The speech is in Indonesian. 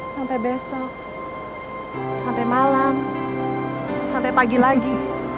sampai besok sampai malam sampai pagi lagi